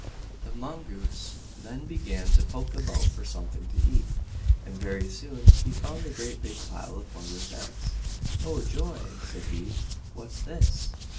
The Mongoose then began to poke about for something to eat, and very soon he found the great big pile of Mugger's eggs. "Oh, joy!" said he, "what's this?"